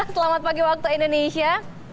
selamat pagi waktu indonesia